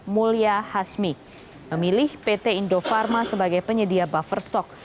mulia hasmi memilih pt indofarma sebagai penyedia buffer stock